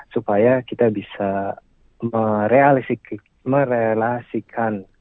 supaya kita bisa merealisasikan